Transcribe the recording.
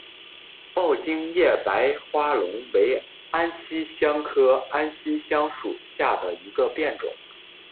抱茎叶白花龙为安息香科安息香属下的一个变种。